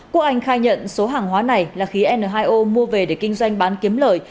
quốc anh khai nhận số hàng hóa này là khí n hai o mua về để kinh doanh bán kiếm lời